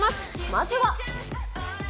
まずは。